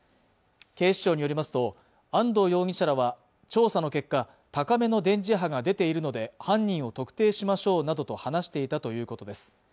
警視庁によりますと安藤容疑者らは調査の結果高めの電磁波が出ているので犯人を特定しましょうなどと話していたということです